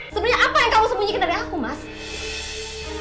sebenarnya apa yang kamu sembunyikan dari aku mas